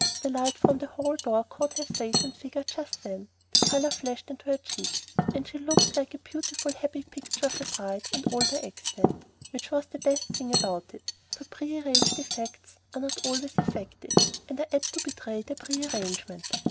The light from the hall door caught her face and figure just then, the color flashed into her cheeks; and she looked like a beautiful, happy picture of a bride, and all by accident, which was the best thing about it; for pre arranged effects are not always effective, and are apt to betray their pre arrangement.